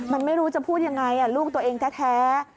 มันไม่รู้จะพูดยังไงลูกตัวเองแท้